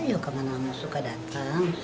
ya kalau anak anak suka datang